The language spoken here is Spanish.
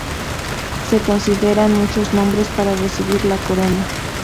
Se consideraron muchos nombres para recibir la corona.